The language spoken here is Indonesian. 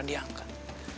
dia pernah diangkat